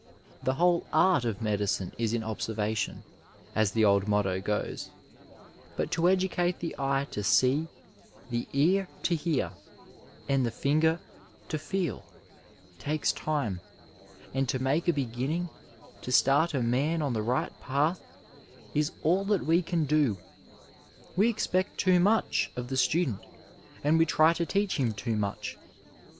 The whole* art of medicine is in observation, as the old motto goes, bnt to educate the eje to see, the ear to hear and the finger to feel takes time, and to make a beginning, to start a man on the right path, is all that we can do. We expect too much of the stadent and we trj to teach him too much.